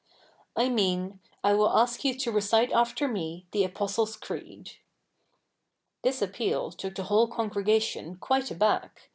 I mean, I will ask you to recite after me the Apostles' Creed.' This appeal took the whole congregation quite aback.